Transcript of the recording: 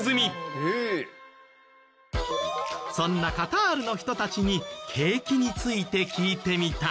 そんなカタールの人たちに景気について聞いてみた。